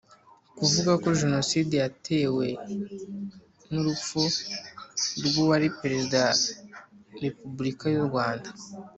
kuvuga ko Jenoside yatewe n urupfu rw uwari Perezida Repubulika y u Rwanda